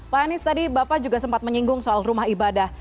pak anies tadi bapak juga sempat menyinggung soal rumah ibadah